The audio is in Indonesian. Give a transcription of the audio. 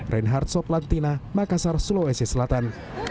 reinhard soplantina makassar sulawesi selatan